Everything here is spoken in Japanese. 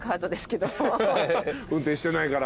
運転してないから。